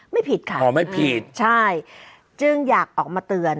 ผิดค่ะอ๋อไม่ผิดใช่จึงอยากออกมาเตือน